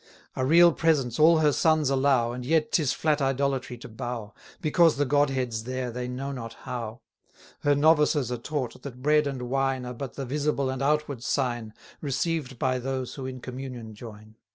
A real presence all her sons allow, And yet 'tis flat idolatry to bow, Because the Godhead's there they know not how. Her novices are taught that bread and wine Are but the visible and outward sign, Received by those who in communion join.